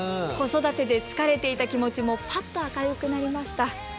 子育てで疲れていた気持ちもパッと明るくなりました！」。